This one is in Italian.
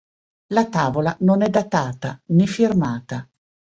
La tavola non è datata, né firmata.